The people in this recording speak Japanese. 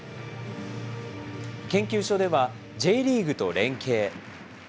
研究所では、Ｊリーグと連携。